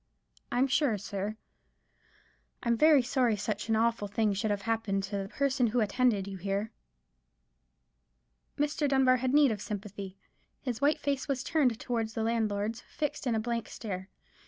I'm sure, sir, I'm very sorry such an awful thing should have happened to the—the person who attended you here." Mr. Dunbar had need of sympathy. His white face was turned towards the landlord's, fixed in a blank stare.